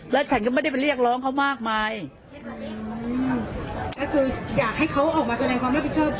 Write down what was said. แล้วฉันก็ไม่ได้ไปเรียกร้องเขามากมายก็คืออยากให้เขาออกมาแสดงความรับผิดชอบ